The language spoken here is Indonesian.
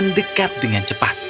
dan mendekat dengan cepat